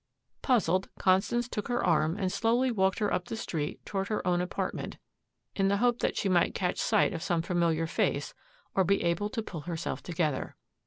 Puzzled, Constance took her arm and slowly walked her up the street toward her own apartment in the hope that she might catch sight of some familiar face or be able to pull herself together.